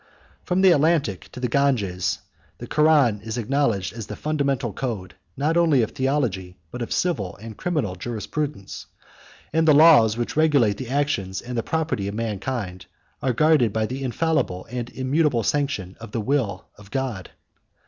From the Atlantic to the Ganges, the Koran is acknowledged as the fundamental code, not only of theology, but of civil and criminal jurisprudence; and the laws which regulate the actions and the property of mankind are guarded by the infallible and immutable sanction of the will of God.